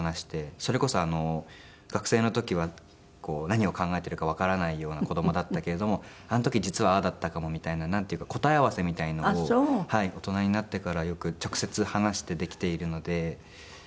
それこそ学生の時は何を考えているかわからないような子供だったけれどもあの時実はああだったかもみたいななんていうか答え合わせみたいなのを大人になってからよく直接話してできているので。